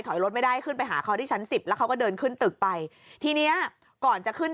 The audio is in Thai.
เพราะยิงหมาหนีเลยนะเออหมาอีกหนีเลย